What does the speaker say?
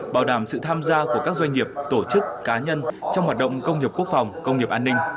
bảo đảm sự tham gia của các doanh nghiệp tổ chức cá nhân trong hoạt động công nghiệp quốc phòng công nghiệp an ninh